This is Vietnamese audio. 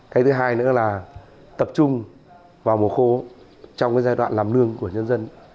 cách thứ hai nữa là tập trung vào mùa khô trong giai đoạn làm lương của nhân dân